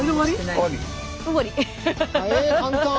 え簡単！